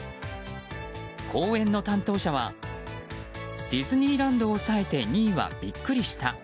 公園の担当者はディズニーランドを抑えて２位はビックリした。